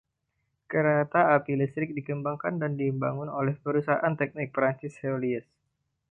Kereta api listrik dikembangkan dan dibangun oleh perusahaan teknik Perancis Heuliez.